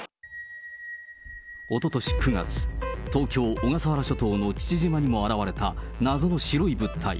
おととし９月、東京・小笠原諸島の父島にも現れた謎の白い物体。